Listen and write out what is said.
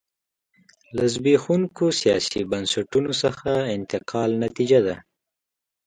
له زبېښونکو سیاسي بنسټونو څخه انتقال نتیجه ده.